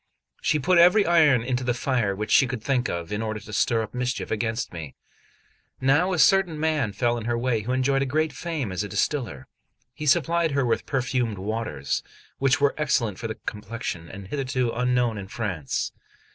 She put every iron into the fire which she could think of, in order to stir up mischief against me. Now a certain man fell in her way, who enjoyed great fame as a distiller; he supplied her with perfumed waters, which were excellent for the complexion, and hitherto unknown in France.